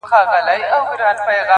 زه درته څه ووايم